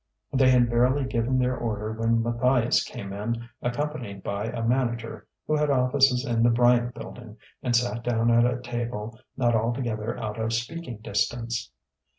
They had barely given their order when Matthias came in accompanied by a manager who had offices in the Bryant Building, and sat down at a table not altogether out of speaking distance.